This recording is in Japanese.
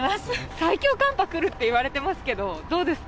最強寒波来るっていわれてますけど、どうですか？